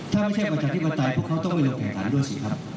ถ้าไม่ใช่ประชาธิปไตยพวกเขาต้องไปลงแข่งขันด้วยสิครับ